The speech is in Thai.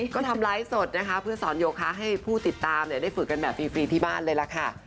ก็ทำไลฟ์สดนะคะเพื่อสอนโยคะให้ผู้ติดตามได้ฝึกกันแบบฟรีที่บ้านเลยล่ะค่ะ